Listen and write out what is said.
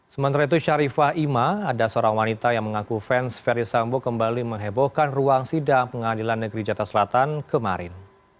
sementara itu sharifah ima ada seorang wanita yang mengaku fans ferry sambo kembali menghebohkan ruang sidang pengadilan negeri jatah selatan kemarin